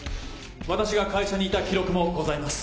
私が会社にいた記録もございます。